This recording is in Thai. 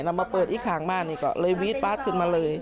แล้วมาเปิดอีกข้างบ้านนี่ก็เลยวีดปาร์ดขึ้นมาเลย